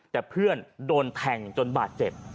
แต่เพื่อนโดนแทงจนบาดเจ็บ